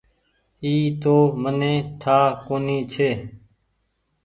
اي تو مني ٺآ ڪونيٚ ڇي ۔